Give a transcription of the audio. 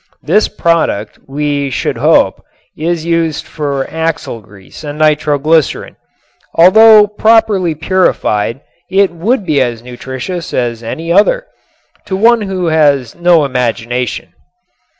This product, we should hope, is used for axle grease and nitroglycerin, although properly purified it would be as nutritious as any other to one who has no imagination.